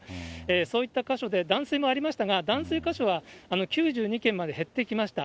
そういった箇所で断水もありまして、断水箇所は９２軒まで減ってきました。